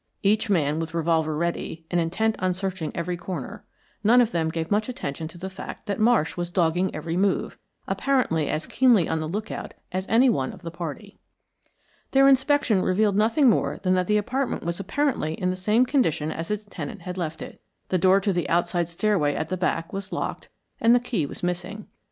Each man with revolver ready, and intent on searching every corner, none of them gave much attention to the fact that Marsh was dogging every move, apparently as keenly on the lookout as any one of the party. Their inspection revealed nothing more than that the apartment was apparently in the same condition as its tenant had left it. The door to the outside stairway at the back was locked and the key was missing.